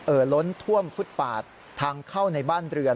ล้นท่วมฟุตปาดทางเข้าในบ้านเรือน